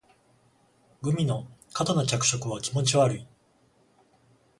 グミの過度な着色は気持ち悪い